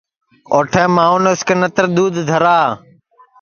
اوٹھے ماںٚون اُس کے نتر دؔودھ دھرا